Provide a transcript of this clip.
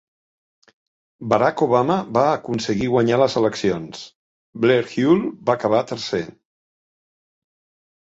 Barack Obama va aconseguir guanyar les eleccions, Blair Hull va acabar tercer.